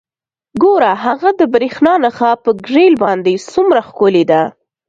ګوره هغه د بریښنا نښه په ګریل باندې څومره ښکلې ده